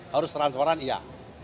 harus transparan iya